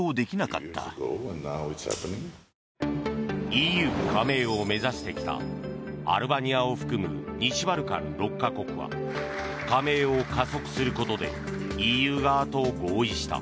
ＥＵ加盟を目指してきたアルバニアを含む西バルカン６か国は加盟を加速することでＥＵ側と合意した。